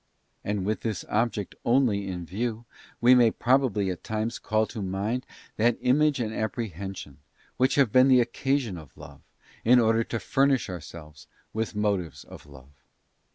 And with this object only in view we | may probably at times call to mind that image and appre hension, which have been the occasion of love, in order to furnish ourselyes with motives of love.